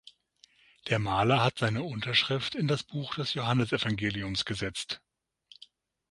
Der Maler hat seine Unterschrift in das Buch des Johannesevangeliums gesetzt.